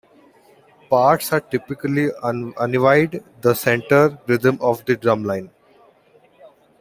Parts are typically univide the center rhythm of the drumline.